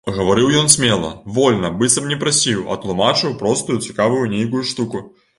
Гаварыў ён смела, вольна, быццам не прасіў, а тлумачыў проста цікавую нейкую штуку.